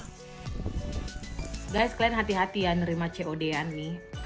guys kalian hati hati ya nerima cod an nih